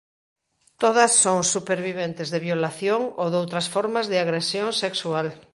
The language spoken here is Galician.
Todas son superviventes de violación ou doutras formas de agresión sexual.